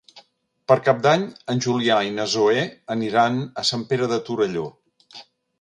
Per Cap d'Any en Julià i na Zoè aniran a Sant Pere de Torelló.